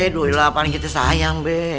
duh lah paling kita sayang be